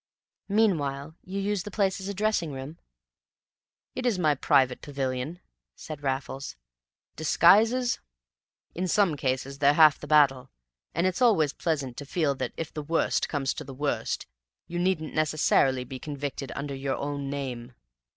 "Meanwhile you use the place as a dressing room?" "It is my private pavilion," said Raffles. "Disguises? In some cases they're half the battle, and it's always pleasant to feel that, if the worst comes to the worst, you needn't necessarily be convicted under your own name.